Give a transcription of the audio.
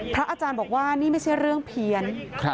อาจารย์บอกว่านี่ไม่ใช่เรื่องเพี้ยน